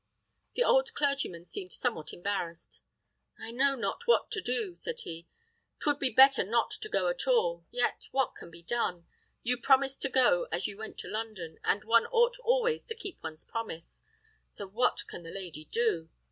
The old clergyman seemed somewhat embarrassed. "I know not what to do," said he. "'Twould be better not to go at all, yet what can be done? You promised to go as you went to London, and one ought always to keep one's promise. So what can the lady do?"